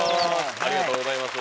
ありがとうございます。